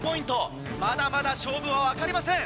まだまだ勝負は分かりません。